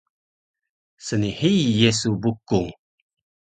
Snhii Yesu Bukung